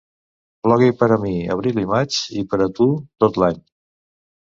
Plogui per a mi abril i maig i per a tu tot l'any.